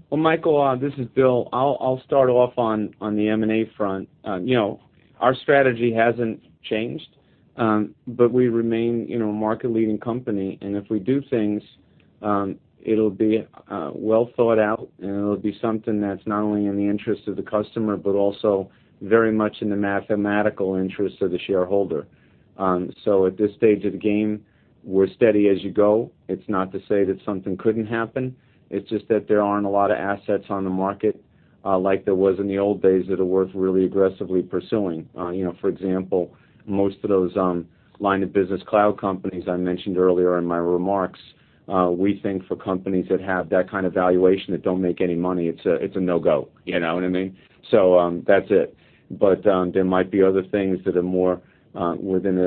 Well, Michael, this is Bill. I'll start off on the M&A front. Our strategy hasn't changed. We remain a market-leading company, and if we do things, it'll be well thought out, and it'll be something that's not only in the interest of the customer, but also very much in the mathematical interest of the shareholder. At this stage of the game, we're steady as you go. It's not to say that something couldn't happen. It's just that there aren't a lot of assets on the market like there was in the old days that are worth really aggressively pursuing. For example, most of those line of business cloud companies I mentioned earlier in my remarks, we think for companies that have that kind of valuation that don't make any money, it's a no-go. You know what I mean? That's it. There might be other things that are more within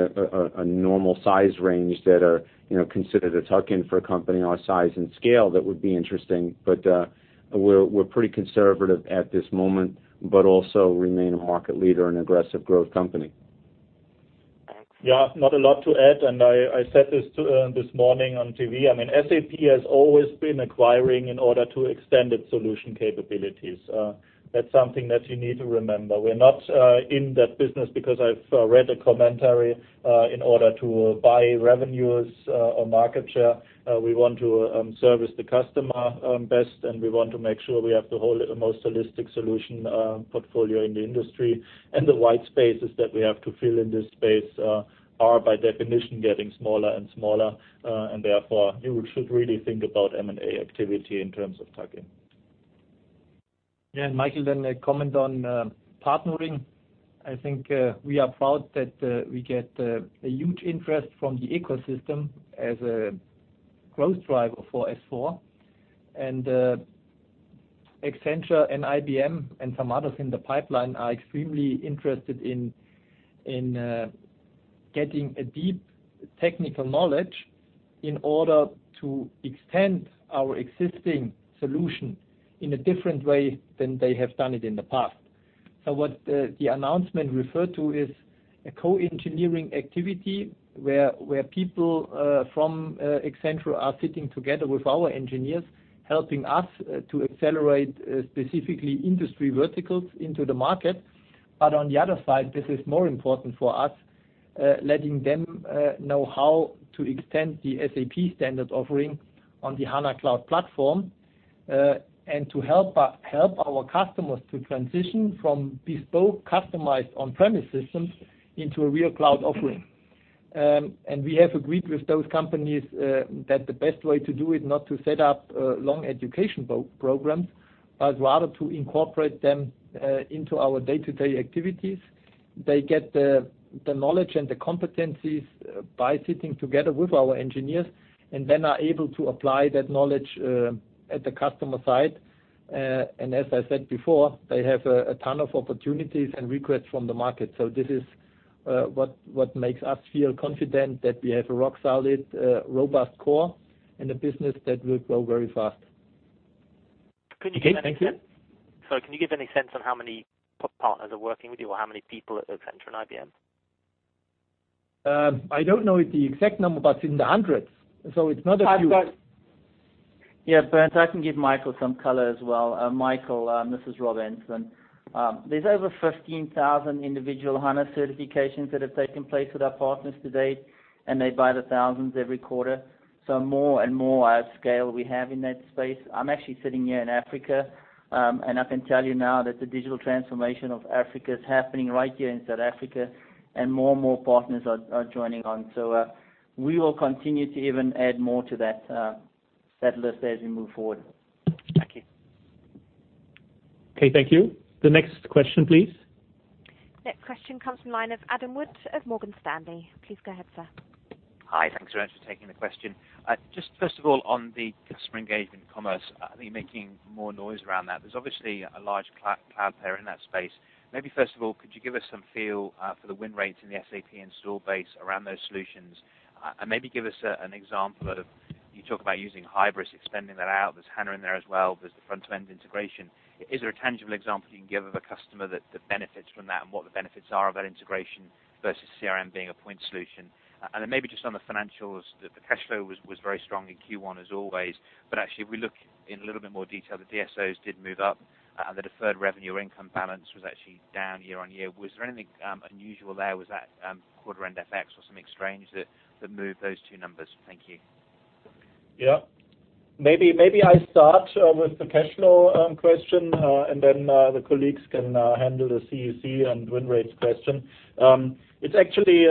a normal size range that are considered a tuck-in for a company our size and scale, that would be interesting. We're pretty conservative at this moment, but also remain a market leader and aggressive growth company. Thanks. Yeah. Not a lot to add. I said this this morning on TV. SAP has always been acquiring in order to extend its solution capabilities. That's something that you need to remember. We're not in that business because I've read a commentary in order to buy revenues or market share. We want to service the customer best, and we want to make sure we have the most holistic solution portfolio in the industry. The white spaces that we have to fill in this space are by definition getting smaller and smaller. Therefore, you should really think about M&A activity in terms of tuck-in. Yeah. Michael, let me comment on partnering. I think we are proud that we get a huge interest from the ecosystem as a growth driver for S/4. Accenture and IBM and some others in the pipeline are extremely interested in getting a deep technical knowledge in order to extend our existing solution in a different way than they have done it in the past. What the announcement referred to is a co-engineering activity where people from Accenture are sitting together with our engineers, helping us to accelerate specifically industry verticals into the market. On the other side, this is more important for us, letting them know how to extend the SAP standard offering on the HANA Cloud Platform, and to help our customers to transition from bespoke, customized on-premise systems into a real cloud offering. We have agreed with those companies that the best way to do it, not to set up long education programs, but rather to incorporate them into our day-to-day activities. They get the knowledge and the competencies by sitting together with our engineers, then are able to apply that knowledge at the customer side. As I said before, they have a ton of opportunities and requests from the market. This is what makes us feel confident that we have a rock solid, robust core in a business that will grow very fast. Can you give any sense- Okay, thank you. Sorry, can you give any sense on how many partners are working with you, or how many people at Accenture and IBM? I don't know the exact number, but it's in the hundreds, so it's not a few. Yeah, Bernd, I can give Michael some color as well. Michael, this is Rob Enslin. There's over 15,000 individual HANA certifications that have taken place with our partners to date, and they buy the thousands every quarter. More and more scale we have in that space. I'm actually sitting here in Africa, and I can tell you now that the digital transformation of Africa is happening right here in South Africa and more and more partners are joining on. We will continue to even add more to that list as we move forward. Thank you. Okay, thank you. The next question, please. Next question comes from the line of Adam Wood of Morgan Stanley. Please go ahead, sir. Hi, thanks very much for taking the question. First of all, on the customer engagement and commerce, are you making more noise around that? There's obviously a large cloud peer in that space. Maybe first of all, could you give us some feel for the win rates in the SAP install base around those solutions? Maybe give us an example out of, you talk about using Hybris, extending that out. There's HANA in there as well. There's the front end integration. Is there a tangible example you can give of a customer that benefits from that and what the benefits are of that integration versus CRM being a point solution? Then maybe just on the financials, the cash flow was very strong in Q1 as always. Actually, if we look in a little bit more detail, the DSOs did move up, and the deferred revenue income balance was actually down year-on-year. Was there anything unusual there? Was that quarter end FX or something strange that moved those two numbers? Thank you. Yeah. Maybe I start with the cash flow question, then the colleagues can handle the CEC and win rates question. It's actually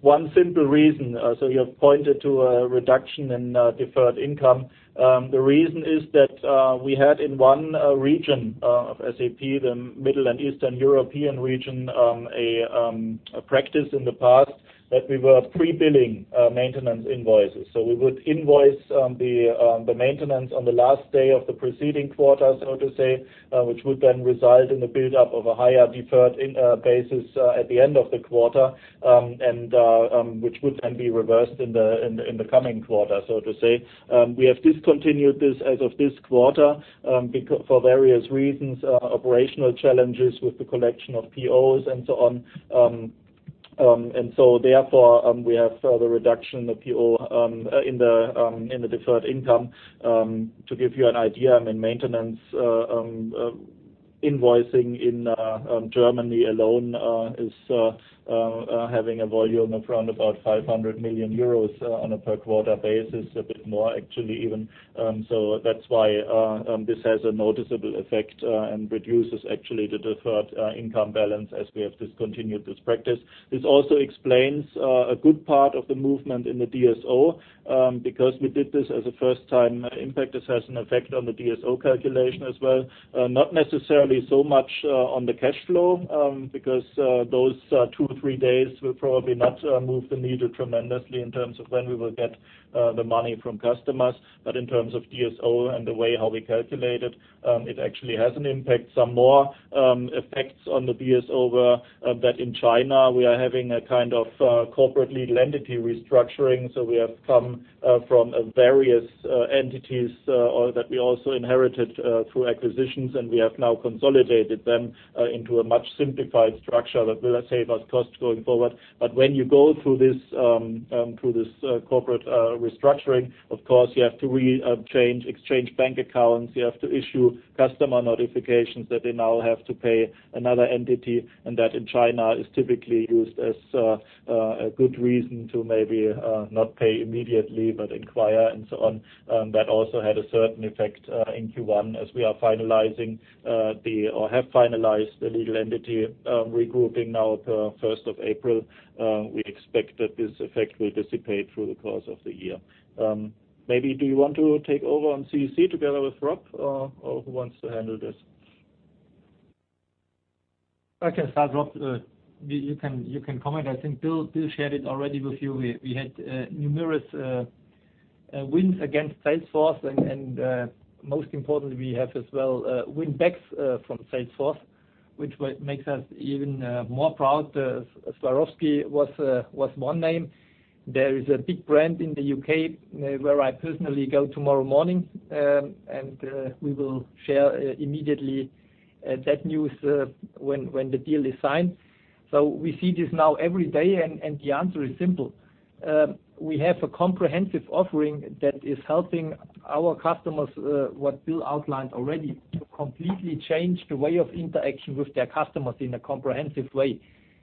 one simple reason. You have pointed to a reduction in deferred income. The reason is that we had in one region of SAP, the Middle and Eastern European region, a practice in the past that we were pre-billing maintenance invoices. We would invoice the maintenance on the last day of the preceding quarter, so to say, which would then result in the buildup of a higher deferred basis at the end of the quarter, and which would then be reversed in the coming quarter, so to say. We have discontinued this as of this quarter for various reasons, operational challenges with the collection of [POs] and so on. Therefore, we have further reduction of [PO] in the deferred income. To give you an idea, I mean, maintenance invoicing in Germany alone is having a volume of around 500 million euros on a per quarter basis, a bit more actually even. That's why this has a noticeable effect, and reduces actually the deferred income balance as we have discontinued this practice. This also explains a good part of the movement in the DSO. Because we did this as a first time impact, this has an effect on the DSO calculation as well. Not necessarily so much on the cash flow, because those two or three days will probably not move the needle tremendously in terms of when we will get the money from customers. But in terms of DSO and the way how we calculate it actually has an impact. Some more effects on the DSO were that in China, we are having a kind of corporate legal entity restructuring. We have come from various entities that we also inherited through acquisitions, and we have now consolidated them into a much simplified structure that will save us costs going forward. When you go through this corporate restructuring, of course, you have to exchange bank accounts. You have to issue customer notifications that they now have to pay another entity, and that in China is typically used as a good reason to maybe not pay immediately but inquire and so on. That also had a certain effect in Q1 as we are finalizing, or have finalized the legal entity regrouping now the 1st of April. We expect that this effect will dissipate through the course of the year. Maybe do you want to take over on CEC together with Rob, or who wants to handle this? I can start, Rob. You can comment. I think Bill shared it already with you. We had numerous wins against Salesforce, and most importantly, we have as well win backs from Salesforce, which makes us even more proud. Swarovski was one name. There is a big brand in the U.K. where I personally go tomorrow morning, and we will share immediately that news when the deal is signed. We see this now every day, and the answer is simple. We have a comprehensive offering that is helping our customers, what Bill outlined already, to completely change the way of interaction with their customers in a comprehensive way.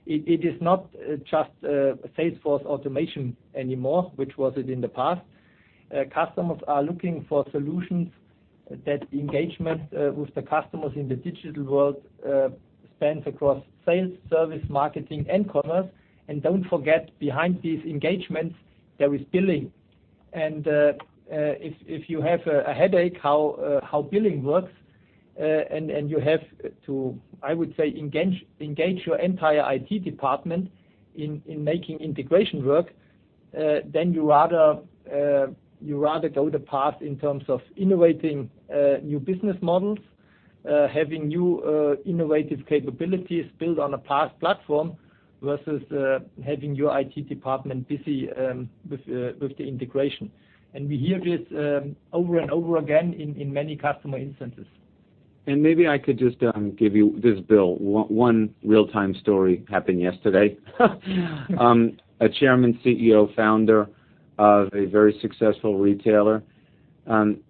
It is not just Salesforce automation anymore, which was it in the past. Customers are looking for solutions that engagement with the customers in the digital world spans across sales, service, marketing, and commerce. Don't forget, behind these engagements, there is billing. If you have a headache how billing works, and you have to, I would say, engage your entire IT department in making integration work, then you rather go the path in terms of innovating new business models, having new innovative capabilities built on a SaaS platform, versus having your IT department busy with the integration. We hear this over and over again in many customer instances. Maybe I could just give you this, Bill, one real-time story happened yesterday. A chairman, CEO, founder of a very successful retailer.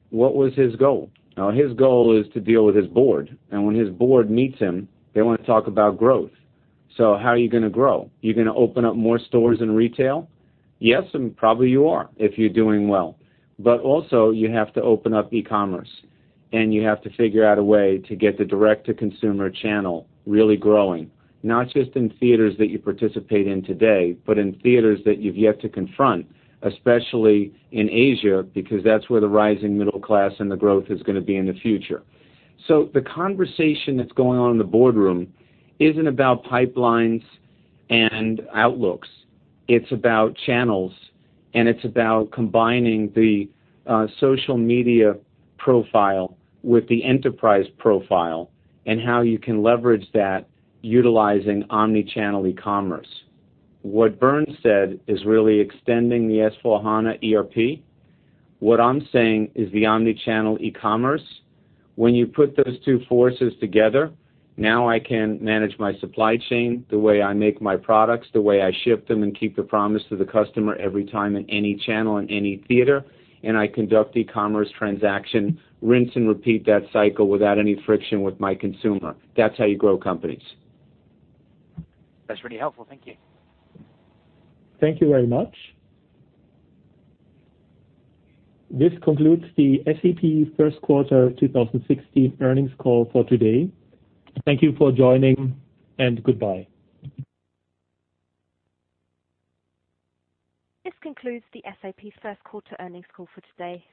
What was his goal? Now his goal is to deal with his board. When his board meets him, they want to talk about growth. How are you going to grow? You going to open up more stores in retail? Yes, and probably you are, if you're doing well. Also you have to open up e-commerce, and you have to figure out a way to get the direct-to-consumer channel really growing, not just in theaters that you participate in today, but in theaters that you've yet to confront, especially in Asia, because that's where the rising middle class and the growth is going to be in the future. The conversation that's going on in the boardroom isn't about pipelines and outlooks. It's about channels, and it's about combining the social media profile with the enterprise profile and how you can leverage that utilizing omni-channel e-commerce. What Bernd said is really extending the S/4HANA ERP. What I'm saying is the omni-channel e-commerce. When you put those two forces together, now I can manage my supply chain, the way I make my products, the way I ship them, and keep the promise to the customer every time in any channel, in any theater, and I conduct e-commerce transaction, rinse and repeat that cycle without any friction with my consumer. That's how you grow companies. That's really helpful. Thank you. Thank you very much. This concludes the SAP first quarter 2016 earnings call for today. Thank you for joining, and goodbye. This concludes the SAP first quarter earnings call for today.